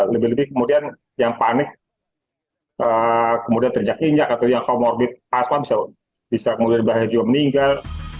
lebih lebih kemudian yang panik kemudian terinjak injak atau yang comorbid asma bisa kemudian bahaya juga meninggal